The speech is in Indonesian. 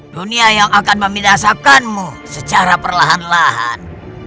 dunia yang akan membinasakanmu secara perlahan lahan